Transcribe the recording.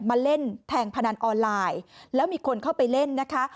มาเล่นแทงพนันออนไลน์แล้วมีคนเข้าไปเล่นนะคะ